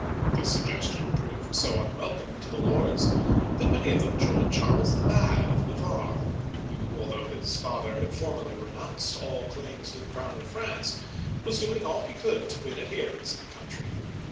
This suggestion proved so unwelcome to the lords, that many of them joined Charles the Bad, of Na varre, who, although his father had formally renounced all claims to the crown of France, was doing all he could to win adherents in the country.